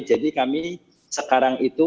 jadi kami sekarang itu